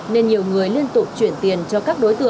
nên nhiều người liên tục chuyển tiền cho các đối tượng